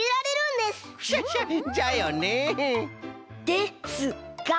ですが！